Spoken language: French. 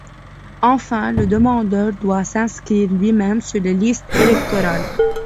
Enfin, le demandeur doit s’inscrire lui-même sur les listes électorales.